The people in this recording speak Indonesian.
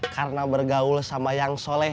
karena bergaul sama yang soleha